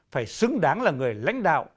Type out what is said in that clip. phải xứng đáng là người lãnh đạo